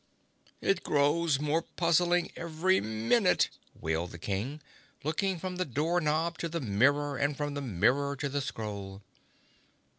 "It grows more puzzling every minute," wailed the King, looking from the door knob to the mirror and from the mirror to the scroll.